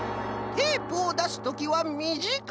テープをだすときはみじかめに！